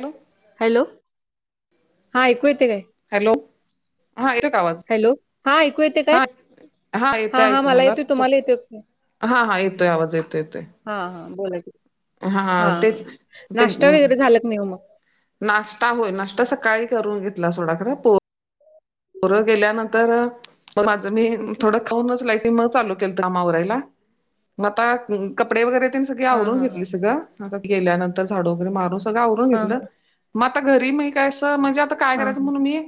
Hello. Hello, हा ऐकू येतय काय? हॅलो, हा येतोय काय आवाज? हॅलो, हा ऐकू येतय काय? हा हा येते हां, हां ऐकू मला येतोय तो, तुम्हाला येतोय काय? हा हा येतोय आवाज येतोय येतोय. हा हा बोला की. हा हा ते नाश्ता वगैरे झाला की नाहीे मग? नाश्ता होय. नाश्ता सकाळी करून घेतला सोडा खर. पोरं पुरं गेल्यानंतर, माझं मी थोडं खाऊनच लाईटली मग चालू [unintelligible] काम आवरायला. मग आता कपडे वगैरे तेन सगळी हां, आवरून हां, घेतली हां. सगळं. आता गेल्यानंतर, झाडू वगैरे मारून सगळं आवरून हां, हां, घेतलं. मग आता घरी म काय असं म्हणजे आ काय हां, करायचं हां. म्हणून मी,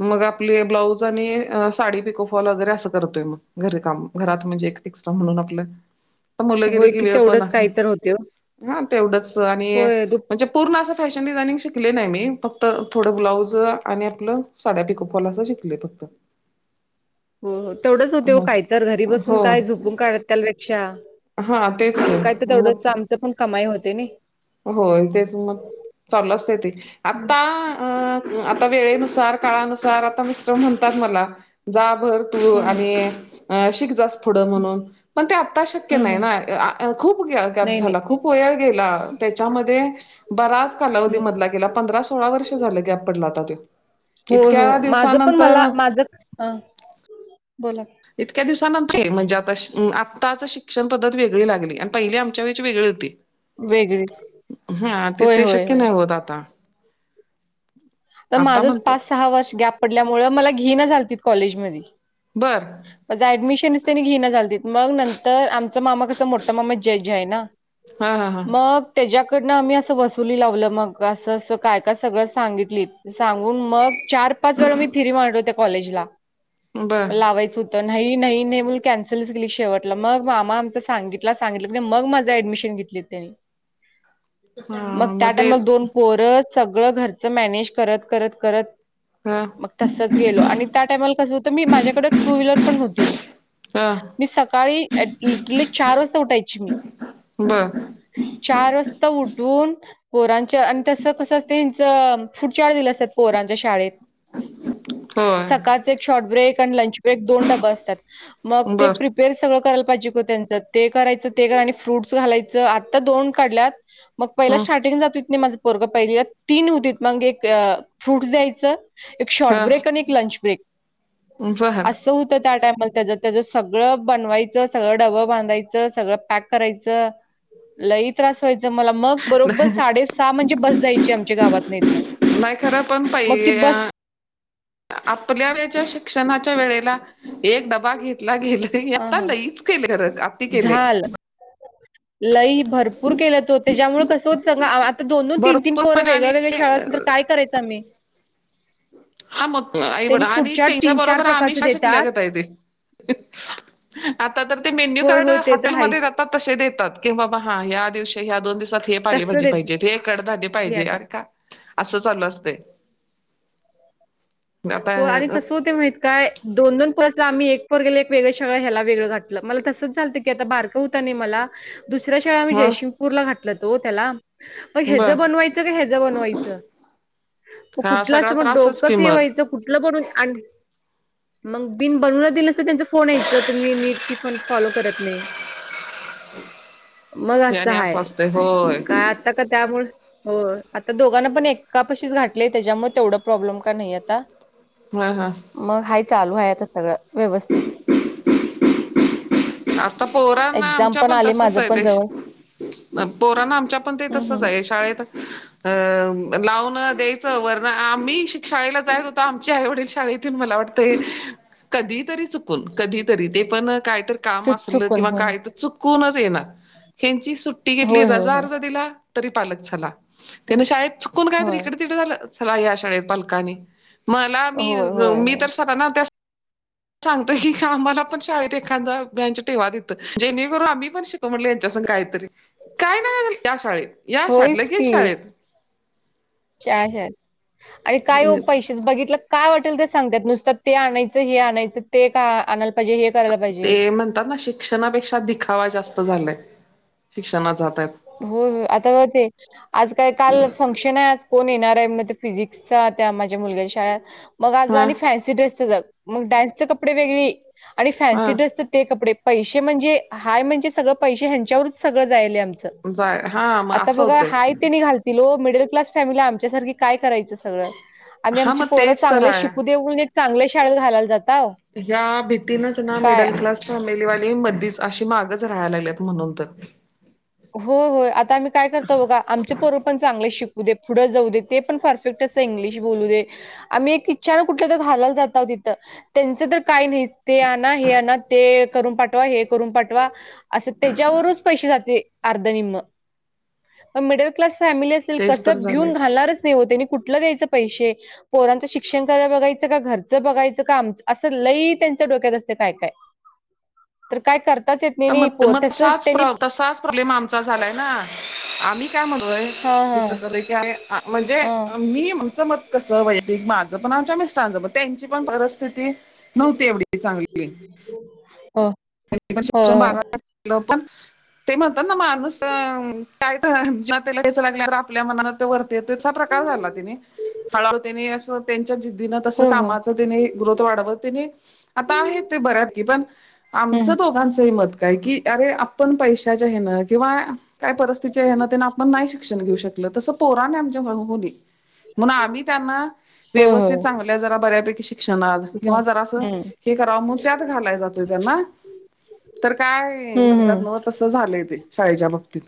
मग आपले ब्लाऊज आणि अ -साडी पिकोफॉल वगैरे असं करतोय मग, घरी काम घरात म्हणजे एक एक्स्ट्रा म्हणून आपलं. तर मुलं गेले होय की, वेळ पण तेवढंच काही तरी होतंय ओ. हा तेवढंच आणि म्हणजे पूर्ण असं फॅशन डिझायनिंग शिकले नाही मी, फक्त थोडं ब्लाउज आणि आपलं साड्या पिको फॉल असं शिकलेय फक्त. हो हो तेवढंच होतय हो काय तर, घरी बसून हो काय झोपून काढत त्यापेक्षा हा तेच की. काय तर मग तेवढंच आमचं पण कमाई होते नई. होय तेच मग, चालू असतय ती. हं, आता अ-आता वेळेनुसार काळानुसार आता मिस्टर म्हणतात मला जा भर तू हं, आणि शिक जा फूडं हं, म्हणून. पण ते आता शक्य हं, नाही हं. ना- खूप गॅप नाही, नाही. झाला खूप वेळ गेला त्याच्यामध्ये, बराच कालावधी हं. मधला गेला. पंधरा सोळा वर्ष झालं गॅप पडला आता त्यो. इतक्या दिवसानंतर हा, बोला. इतक्या दिवसानंतर म्हणजे आता आत्ताच शिक्षण पद्धत वेगळी लागली, आणि पहिली आमच्या वेळची वेगळी होती. वेगळीच. हा ते होय, ते होय, शक्य होय. नाही होत आता. तर आता माझंच म्हणतात पाच सहा वर्ष गॅप पडल्यामुळ, मला घिणा झालतीत कॉलेजमधी. बरं. माझं ऍडमिशनच त्यांनी घिना झालतीत. मग नंतर आमचा मामा कसं मोठा मामा जज आहे ना हा हा हा मग त्याच्याकडनं आम्ही असं वसुली लावलं मग, असं असं काय का सगळं सांगितलीत. सांगून मग चार पाच वेळा मी फिरी मारलो त्या कॉलेजला. बर लावायच हुतं. नाही नाही नाही म्हणून कॅन्सलच केलीत शेवटला. मग मामा आमच सांगितला, सांगितलं कनी मग माझं एऍडमिशन घेतलित त्यांनी. हा मग त्या टायमाला तेच दोन पोर सगळं घरचं मॅनेज करत करत करत ह मग तसच गेलो आणि त्या टायमाला कसं होतं मी, माझ्याकडे टू व्हीलर पण होती. हा मी सकाळी लिटरली चार वाजता उठायची मी. बर चार वाजता उठून पोरांचं आणि तसं कसं असतंय ह्यांचं, फूडचार्ट दिलं असतात पोरांच्या शाळेत. होय सकाळचं एक शॉर्ट ब्रेक आणि लंच ब्रेक दोन डबा असतात, मग ते बर प्रि पेर सगळं करायला पाहिजे की त्यांचं, ते करायचं ते करा आणि फ्रूट्स घालायचं, आता दोन काढल्यात मग पहिला हम् स्टार्टिंग जात होत नाही माझं पोरगं पहिलीला, तीन होतीत मग एक फ्रूट्स द्यायचं एक शॉर्ट ब्रेक आणि एक लंच ब्रेक. वह तो होता त्या टाइमाला त्या त्याच सगळं बनवायचं सगळं डबं बांधायचं सगळं पॅक करायचं. लई त्रास व्हायचं मला मग बरोबर साडे सहा म्हणजे बस जायची आमच्या गावातनं हितनं. नाही खरं पण मग ती पाहि बस आपल्या वेळेच्या शिक्षणाच्या वेळेला, एक डबा घेतला गेलं. ते ही हां, आता हां. लईच केले खरं, अति केलंय. झालं. लई भरपूर केल्यात हो, त्याच्यामुळे कसं होत सांगा आ दोन- दोन, तीन- तीन भरपूर पोरं म्हणजे आणि वेगळं वेगळं शाळा असलं तर काय करायचं आम्ही? हा मग आईवड त्यांनी आणि पुढच्या त्यांच्या बरोबर आम्ही प्रकारचे शाळा देतात. शिकल्यागत हाय तेे. आता तर ते मेन्यू होय, कार्ड होय. ते तर हॉटेलमध्ये आहेच. दे तात तसे देतात, की बाबा हा या दिवशी ह्या दोन दिवसात हे तसं पालेभाजी देत पाहिजेत हे कडधान्य पाहिजे, याद्या. अर का असं चालू असतंय. हो, आता आणि कसं होते माहित काय दोन दोन पोरास्नी आम्ही एक पोरगेला गेले एक वेगळं शाळा ह्याला वेगळं घातलं, मला तसंच झालतं की आता बारकं होतं नाही मला दुसऱ्या शाळा आम्ही ह जयसिंगपूरला घातलं तो त्याला, मग बर ह्याचं बनवायचं का ह्याच बनवायचं? मग हा कुठलं सगळा असं मग त्रासच कि डोकंच हे मग व्हायचं कुठलं म्हणून आ मग बिन बनवला दिलं असं तर त्यांचा फोन येयचा, तुम्ही नीट टिफन फॉलो करत नाही. मग असं याने हाय, असते होय काय आता का त्यामुळे हो, आता दोघांना पण एका पशीच घातले, त्याच्यामुळे तेवढं प्रॉब्लेम का नाही आता. हा हा मग हाय चालू आहे आता सगळं व्यवस्थित. आता पोरांना एक्झाम आमच्या पण आले तसच माझं आहे, पण तेश जवळ म पोरांना आमच्या पण ते हं, तसंच हं. आहे, शाळेत [inaudible] अ लावून द्यायचं, वरनं आम्ही शिक शाळेला जायच होतो, आमचे आईवडील शाळेत ते मला वाटतंय, कधी तरी चुकून कधी तरी ते पण का काम चुक असलं चुकून किंवा होय. काय तर चुकूनच येणार, ह्यांची सुट्टी घेतली होय, होय, रजा होय. अर्ज दिला तरी पालक चला, हं, त्याने शाळेत चुकून कायतर होय. इकडे तिकडे झालं, चला या शाळेत पालकांनी. मला मी, होय, होय, मी होय. तर सराना त्या सांगतय की, आमाला पण शाळेत एखादा [unintelligible] जेणेकरू आम्ही पण शि तो म्हटलं यांच्यासंग कायतरी, काय नाही या शाळेत या शाळेत होयच लगी शाळेत. च्या ह्या, आणि काय हो पैसेच बघितलं काय वाटेल ते सांगतात, नुसतं ते आणायचं हे आणायचं ते का आणल ते म्हणतात ना शिक क्षणापेक्षा दिखावा जास्त झालाय, शिक्षणाचा आता ह्यात. होय होय, आता ब ते आज काय काल फंक्शन आहे, आज कोण येणार आहे मग ते फिजिक्सचा त्या माझ्या मुलग्या शाळेत मग आज हा आणि फॅन्सी ड्रेसचं जर, मग डान्सचे कपडे वेगळी आणि हा. फॅन्सी ड्रेसचं ते कपडे, पैसे म्हणजे हाय म्हणजे सगळं पैसे ह्यांच्यावरच सगळं जायले आम जाय हा मग आता असं बघा होतंय हाय ते नि घालत तील ओ, मिडल क्लास फॅमिली आमच्यासारखी काय करायचं सगळं? आम्ही हा आमची मग पोरं तेच तर चांगले आहे. शिकू देऊ म्हणून एक चांगल्या शाळेत घालायला जाताव. या भीतीनच ना. काय मिडल क्लास फॅमिलीवाली मधीच अशी मागच राहायला लागलीत म्हणून तर. हो हो आता आम्ही काय करतो बघा. आमचे पोर पण चांगले शिकू दे पुढे जाऊ दे ते पण फार इंग्लिश बोलू दे, आम्ही एक इच्छा ना कुठलं तर घायला जात ओ तिथं. त्यांच तर काही नाही. ते आणा. हे आणा. ते करून पाठवा. हे करून पाठवा. असं त्याच्यावरच पैसे जाते. अर्ध निम्म. मिडल क्लास फॅमिली अस ल तेच तर कसं भिऊन झालंय. घालणारच नाही हो ते. त्यांनी कुठलं द्यायचं पैसे. पोरांचं शिक्षण कराला बघायचं. का घरचं बघायचं. का आमच. असं लई त्यांच्या डोक्यात असते. काय काय. तर काय करताच येत तर नाही. मग पो मग तस तसाच त्यांनी प्र तसाच प्रॉब्लेम आमचा झालाय ना. आम्ही काय म्हणलोय. हां हां [unintelligible] म्हणजे हां. मी आमचं मत कस वयकतीक माझं पण आमच्या मिस्टरांच पण. त्यांची पण परिथिती नव्हती एवढी. चांगली हो. पण होय, शिक्षण होय. बारालं पण [unintelligible] ते म्हणतात ना. माणूस काय तर जेव्हा त्याला ठेच लागल्यावर, आपल्या मनात प्रकार झाला तेनी. हळूहळू तेनी अस त्यांच्या जिद्दीन तस हो, हो. कामाच तिने ग्रोथ वाढावं तिने. आता आहे ते बऱ्यातकी, पण. हं. आमचं दोघांचंही मत काय की, अरे आपण पैशाच्या हेन. किंवा काय परिस्थिती ना त्यांना आपण नाही शिक्षण घेऊ शकल. तसं पोराने आमच्या होउ नही. म्हणून आम्ही त्यांना. होय, व्यवस्थित, होय. चांगल्या, जरा बऱ्यापैकी शिक्षणात, किंवा जरा असं हं. हे कराव म्हणून, त्यात घालाय जातोय त्यांना. तर काय हं, म्हणतात. हं. म तसं झालंय ते. शाळेच्या बाबतीत.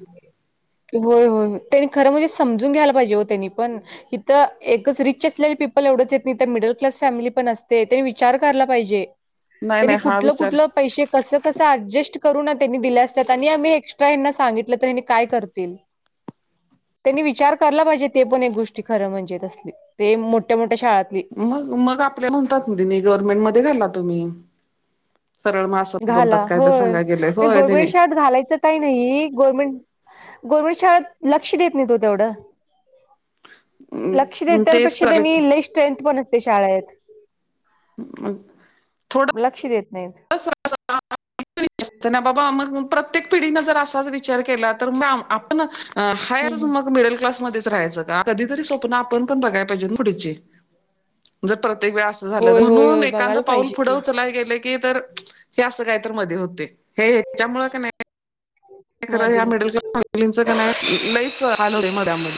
होय होय होय त्यांनी खरं म्हणजे समजून घ्यायला पाहिजे हो त्यांनी पण. इथं एकच रिच असलेली पीपल एवढंच येत नाही. तर मिडल क्लास फॅमिली पण असते. ते विचार करायला पाहिजे. नाही त्यांनी नाही हा कुठलं विचार कुठलं पैसे कस कस अऍडजस्ट करू त्यांनी दिल्या असतात. आणि आम्ही एक्स्ट्रा यांना सांगित ल यांनी काय करतील. त्यांनी विचार कला पाहिजे. म्हण ते पण एक गोष्टी खरं म्हणज तसली. ते मोठ्या मोठ्या शाळातली. मग मग आपल्या म्हणतात तेनी. गव्हर्नमेंट मध्ये घाला तुम्ही. सळ म अस घाला. होय. आणि गव्हरमेंट शाळात घालायचं काही नाही. गव्हर्मेंट गव्हर्नमेंट शाळेत लक्ष देत नाहीत ओ तेवढं. लक्ष देत्याल तेच पेक्षा तर त्यांनी. लेई स्ट्रेथ पण असते शाळेत. अ [unintelligible] लक्ष देत नाहीत. बाबा मग प्रत्येक पिढीने जर, असाच विचार केला. आपण हायच हम्म. म मिडल क्लास. मध्येच राहायच का? कधीतरी तर स्वप्न आपण पण बघाय पाहिजेत पुढची. जर प्रत्येक वेळा अस झाल त. होय होय म्हणून होय एकांद बघायला पाऊल पाहिजे पुढं की उचलायला गे ते तर, हे असं काय तर मधी होतंय. हे ह्याच्यामुळे कनी खरं ह्या मध्ये मिडल क्लास फॅमिलीच का नाही. लईच हाल होतेय मधल्या मध्ये.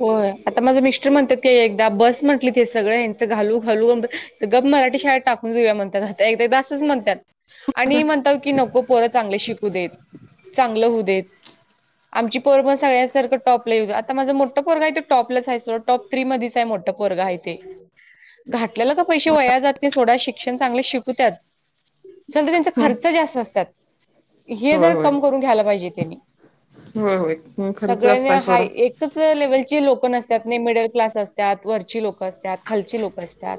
होय, आता माझं मिस्टर म्हणतात की, एकदा बस म्हटली ते सगळं यांचं घालू घालू. गप मराठी शाळेत टाकून जाऊया म्हणतात. आ एकदादा असच म्हणतात. आणि म्हणतात की नको पोर चांगले शिकू देत, चांगलं होऊ देत. आमची पोर सगळ्यांसारखं टॉपला येऊ दे. आता माझा मो मोठ पोरगये तर टॉपलाच आहे. टॉप थ्री मध्येच आहे मोठं पोरग आहे ते. घातलेला का पैसे वया जात नाही सोडा. शिक्षण चांगले शिकूद्यात. चल तर, त्यांचा हम्म. खर्च जास्त असतात. हे होय जर होय कम करून घ्यायला पाहिजे त्यांनी. होय होय खर्च सगळ्यांनी असताय हा सोडा एक लेव्हलची लोक नसतात. मिडल क्लास असतात. वरची लोकं असतात. खालची लोकं असतात.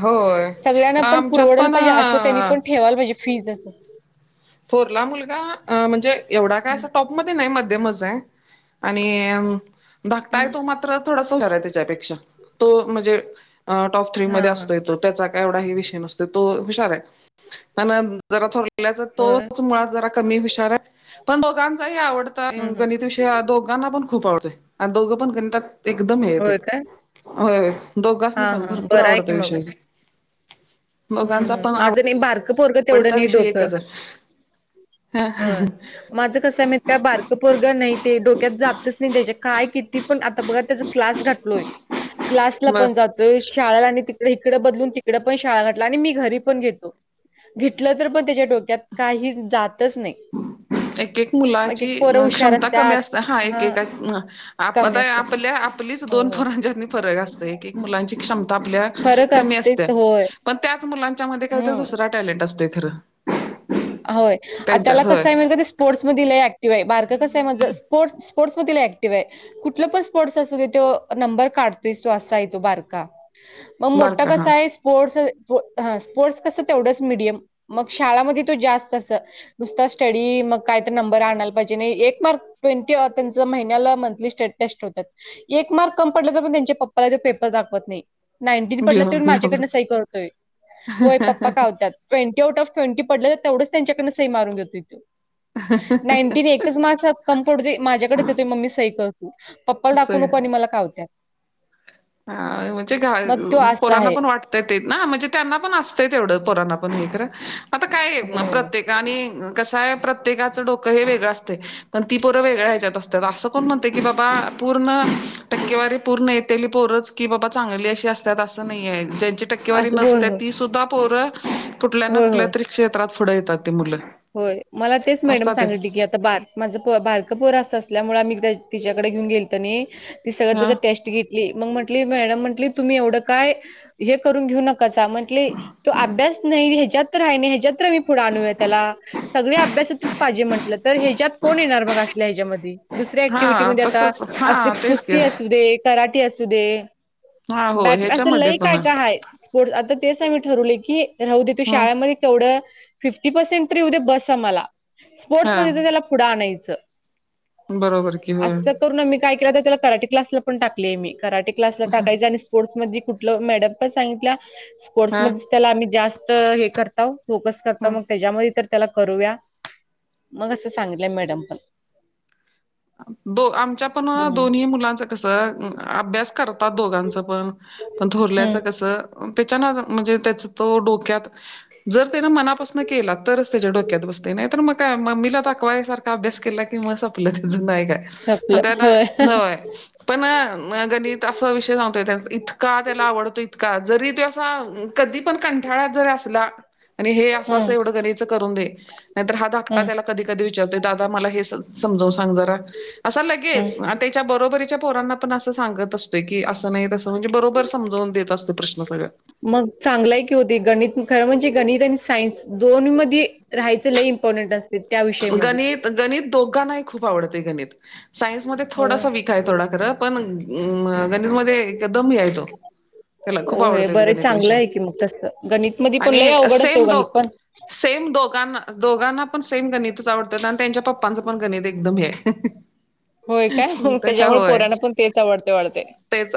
होय. सगळ्यांना पण आमच्यात पुरवडेल पण पाहिजे. असं त्यांनी पण ठेवाला पाहिजे. फीज असं. थोरला मुलगा अ म्हणजे एवढा काय हं, असा टॉपमध्ये नाय मध्यमच हाय. आणि अं धाकटा हं. हाय तो मात्र थोडासां हुशार हाय त्याच्यापेक्षा तो म्हणजे अ टॉप थ्री मध्ये हां, हां. असतोय तो. त्या काय एवढा हे विषय नसतो तो हुशार आहे पण जरा [inaudible] तो होय. तो मुळात जरा कमी हुशाराय. पण दोघांचा ही आवडता हं, हं. गणित विषय हा दोघ घाना पण खूप आवतोय आणि दोघं पण गणितात एकदम हेे येते होय काय? होय दोघांसनी हां, पण हां. भरपूर बरं आवडता विषय दोघांचा पण हम्म माझं नी बारकं पोरक तेवढं आवडता नी विषय डोकं एकच आहे होय. माझं कसं माहीत बारकं पोरगं नही ते डोक्यात जातच नाय त्याच्या काय किती पण आता बघा त्याच क्लास घातलोय क्लास ला बर. पण जातोय शाळेला आणि तिकड इकड बदलून तिकड पण शाळा घात ल आणि मी घरी पण घेतो. घेतलं तर पण त्याच्या डोक्यात काही जातच नाय. एक एक मुलाची क्षमता कमी असत्यात. असत हा एकएक का आप कमी आता या असते. आपल्या आपलीच हो दोन हो पोरांच्यातनी फरक असतोय एक एक मुलांची क्षमता आपल्या फरक कमी असतेच असत होय. पण त्याच मुलांच्या मध्ये कायतर हम्म. दुसरा टॅलेंट असतोय खरं होय आत त्याला त्यांच्यात होय कसं हाय [unintelligible] स्पोर्टस मध्ये लई ऍक्टिव्ह हाय बारक कस हाय माझं स्पोर्ट्स स्पोर्ट्समध्ये लई ऍक्टिव्ह ये. कुठलं पण स्पोर्ट्स असू दे त्यो नंबर काढतोयचं तो असाय तो बारका म मोठा बारका हा. कसाय स्पोर्टस ह स्पोर्ट्स कसं तेवढंच मिडियम मग शाळामध्ये तो जास्त तस नुसता स्टडी मग काय तर नंबर आणायला पाहिजे नाई एक मार्क ट्वेंटी त्यांच महिन्याला मंथली स्टड टेस्ट ठेवातात. एक मार्क कम पडला तर पण त्यांच्या पप्पाला ते पेपर दाखवत नाही. नाईन्टीन पडलं घेऊन तरी माझ्याकडनं सही घाबरून करतोय होय पप्पा कावत्यात. ट्वेंटी आउटऑफ ट्वेंटी पडल तेवढच त्यांच्याकडनं सई मारून घेतोय त्यो नाईन्टीन एकच मार्क कमी पडुदे माझ्याकडेच येतोय मम्मी सई कर तू पप्पाला असं दाखवू आहे. नको आणि मला कावत्याल. हा म्हणजे घा मग तो असा पोरांना आहे पण वाट तय तेच ना म्हणजे त्यांना पण असत तेवढं पोरांना पण हे खरं आता काय म होय होय प्रत्येकानी कसंय प्रत्येकाचं डोकं हे वेगळं असतय. पण ती परं वेगळ्या ह्याच्यात असतात असं कोण म्हणते की बाबा पूर्ण टक्केवारी पूर्ण येतय ली पोरचं की बाबा चांगली अशी असत्यात असं नाही ये ज्यांची टक्केवारी असं- होय नसत्यात होय ती सुद्धा पोरं कुठल्या ना होय कुठल्या होय तरी क्षेत्रात पुढं येतात ती मुलं होय मला तेच मॅडम असतात सांगिटली की आता बार माझं पो बारक पोर असं असल्यामुळे आम्ही तिच्याकडे घेऊन गेलत नी ती सगळं ह त्याचा टेस्ट घेत ली मंग म्हंटली मॅडम म्हंटली की तुम्ही एवढं काय हे करून घेऊ नकासां म्हंटली तो अभ्यास नाही ह्याच्यातर हाय नी ह्याच्यातर मी पुढ आणूया त्याला सगळी अभ्यासातच पाहिजे म्हंटलं तर ह्याच्यात कोण येणार बघा असल्या ह्येज्यामधी दुसऱ्या ऍक्टिव्हटी हा म्हणजे आता तसच अशी हा तेच की कुस्ती असू दे कराटी असू दे हा हो बॅट असे ह्याच्यामध्ये लई काय पण काय हाय. स्पोर्टस आता तेच आम्ही ठरवलय की राहू दे तो हम्म शाळामध्ये केवढं फिफ्टी पर्सेंट ट्रिप येऊदे बस आम्हाला स्पोर्टस मध्ये त हा त्याला पुढं आणायचं. बरोबर कि होय असं करूनं आम्ही काय केलं होत त्याला कराटे क्लासला पण टाकलीय मी कराटे क्लासला टाकायचा आणि स्पोर्ट्स मधी कुठलं मॅडम पण सांगितल्या हा स्पोर्ट्समध्येचं त्याला आम्ही जास्त हे करतावं फोकस करताव ह मग त्याज्यामध्ये तर त्याला करूया मग असं सांगितल्याय मॅडम पण अं दो आमच्या पण दोन्ही मुलांच कसं अ अभ्यास करतात दोघांच पण पण थोरल्याचं हम्म कस त्याच्या अग म्हणजे त्याच तो डोक्यात जर त्यान मनापासन केला तरच त्याच्या डोक्यात बसतय नाय तर म काय मम्मीला दाखवायसारखं अभ्यास केला की म सपल त्याज नाही काय आपलं पण त्याना होय नय पण गणित असा विषय सांगतोय इतका त्याला आवडतो इतका जरी तो असा कधी पण कंठाळा जर असला आणि हे असं असं हम्म एवढं गरीचं करून दे नाहीतर हा धाकटा हम्म त्याला कधी कधी विचारते दादा मला हे समजून सांग जरा अस हम्म लगेच त्याच्या बरोबरीच्या पोरांना पण असं सांगत असतो की असं नाही तसं म्हणजे बरोबर समजवून देत असतोय प्रश्न सगळं. मग चांगलाय की होते गणित खरं म्हणजे गणित आणि सायन्स दोन्ही मध्ये राहायचं लय इम्पॉर्टंट असतय. गणित गणित दोघांनाही खूप आवडतय गणित. सायन्समध्ये होय. थोडासा वीक आहे थोडा खरं पण गणितमध्ये एकदम हे हाय तो. त्याला खूप होय, आवडतेत बरं गणित चांगलं विषय आहे की मग तसं. गणितमध्ये पण लय आणि अवघड असते हो सेम दो गणित पण. सेम दोघांना दोघांना पण सेम गणितच आवडतात आणि त्यांच्या पप्पांचं पण गणित एकदम हे हाय. होय काय मग त्याच्यामुळे पोरांना पण तेच आवडतय वाढतय. तेच